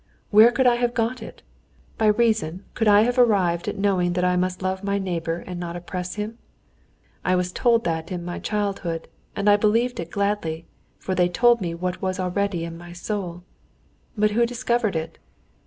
"Where could I have got it? By reason could I have arrived at knowing that I must love my neighbor and not oppress him? I was told that in my childhood, and I believed it gladly, for they told me what was already in my soul. But who discovered it?